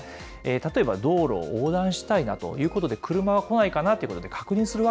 例えば道路を横断したいなということで、車は来ないかなというこそうしますよね。